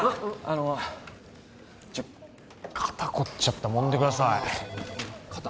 あの肩凝っちゃったもんでください